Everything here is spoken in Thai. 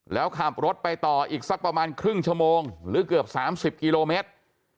แล้วขับรถไปต่ออีกสักประมาณครึ่งชั่วโมงหรือเกือบ๓๐กิโลเมตร